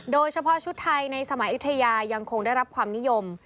โดยเฉพาะชุดไทยในสมัยอยุธยายังคงได้รับความนิยม